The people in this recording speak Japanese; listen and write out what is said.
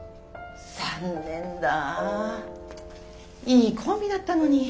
残念だぁいいコンビだったのに。